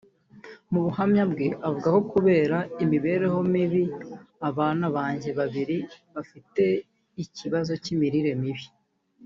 Mu buhamya bwe avuga ko “kubera imibereho mibi abana banjye babiri bari bafite ikibazo cy’imirire mibi